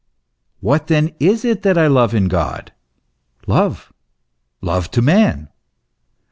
What, then, is it that I love in God ? Love : love to man.